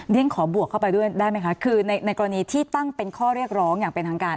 ฉันขอบวกเข้าไปด้วยได้ไหมคะคือในกรณีที่ตั้งเป็นข้อเรียกร้องอย่างเป็นทางการ